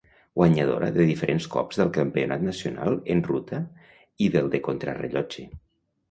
Guanyadora de diferents cops del Campionat nacional en ruta i del de contrarellotge.